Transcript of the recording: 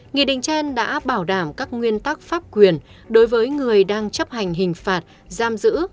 nghị định trên đã bảo đảm các nguyên tắc pháp quyền đối với người đang chấp hành hình phạt giam giữ